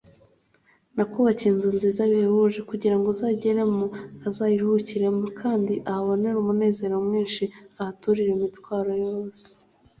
Nakubakiye inzu nziza bihebuje kugira uzayigeramo azayiruhukiremo kandi ahabonere umunezero mwinshi ahaturire imitwaro yose.